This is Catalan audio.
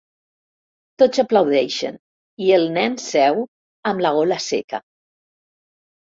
Tots aplaudeixen i el nen seu, amb la gola seca.